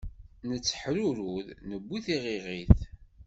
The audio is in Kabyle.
Netteḥrurud newwi tiɣiɣit.